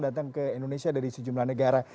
datang ke indonesia dari sejumlah negara